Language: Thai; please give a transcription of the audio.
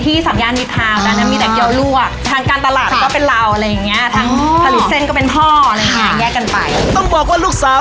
ที่ซอยส่องพระศรีพญาค่ะ